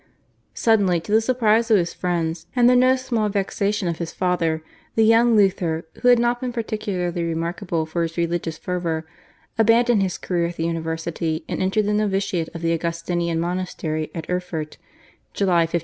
Suddenly, to the surprise of his friends, and the no small vexation of his father the young Luther, who had not been particularly remarkable for his religious fervour, abandoned his career at the university and entered the novitiate of the Augustinian monastery at Erfurt (July 1505).